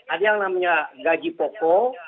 ada yang namanya gaji pokok